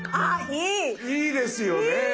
いいですよね。